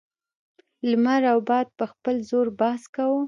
لمر او باد په خپل زور بحث کاوه.